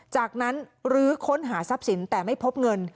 จากนั้นลื้อค้นหาทรัพย์สินแต่ไม่พบเงิน